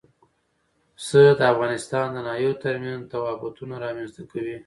پسه د افغانستان د ناحیو ترمنځ تفاوتونه رامنځ ته کوي.